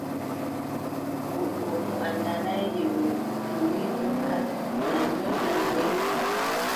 Goɗɗo mo anndanaay yewre, to wii jokkan, na nyolnan nde.